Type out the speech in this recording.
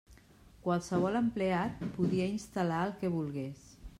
Qualsevol empleat podia instal·lar el que volgués.